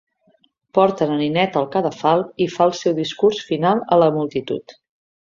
Porten a Ninetta al cadafal i fa el seu discurs final a la multitud.